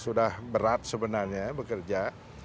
sudah berat sebenarnya bekerja